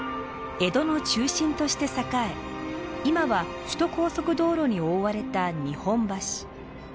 江戸の中心として栄え今は首都高速道路に覆われた日本橋。